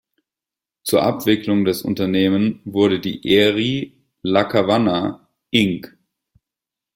Zur Abwicklung des Unternehmen wurde die Erie Lackawanna Inc.